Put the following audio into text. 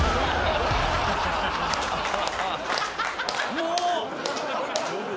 もう！